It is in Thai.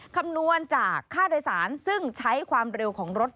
คำนวณจากค่าโดยสารซึ่งใช้ความเร็วของรถ